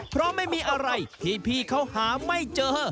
เพราะไม่มีอะไรที่พี่เขาหาไม่เจอ